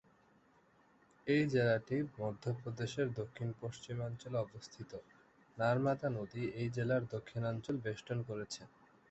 এই জেলাটি মধ্য প্রদেশের দক্ষিণ-পশ্চিমাঞ্চলে অবস্থিত; নারমাদা নদী এই জেলার দক্ষিণাঞ্চল বেষ্টন করেছে।